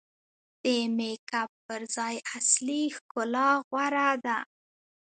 د میک اپ پر ځای اصلي ښکلا غوره ده.